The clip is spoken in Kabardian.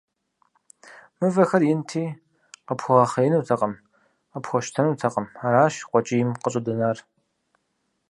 Мывэхэр инти, къыпхуэгъэхъеинутэкъым, къыпхуэщтэнутэкъым, аращ къуэкӀийм къыщӀыдэнар.